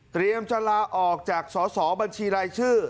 เตรียมจะลาออกจากสอสอบัญชีไร้ชื่อ